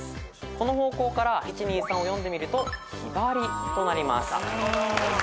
この方向からⅠⅡⅢを読んでみると「ひばり」となります。